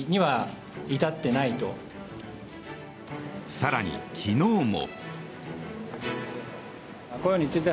更に、昨日も。